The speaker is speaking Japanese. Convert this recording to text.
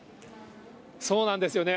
そうなんですよね。